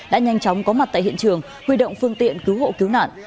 đã nhanh chóng có mặt tại hiện trường huy động phương tiện cứu hộ cứu nạn